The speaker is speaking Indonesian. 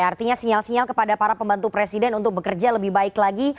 artinya sinyal sinyal kepada para pembantu presiden untuk bekerja lebih baik lagi